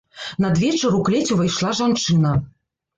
Надвечар у клець увайшла жанчына.